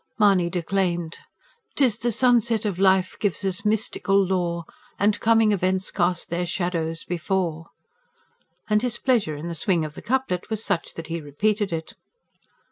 Mahony declaimed: 'TIS THE SUNSET OF LIFE GIVES US MYSTICAL LORE, AND COMING EVENTS CAST THEIR SHADOWS BEFORE, and his pleasure in the swing of the couplet was such that he repeated it.